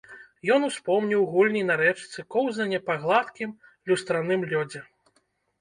Ён успомніў гульні на рэчцы, коўзанне па гладкім, люстраным лёдзе.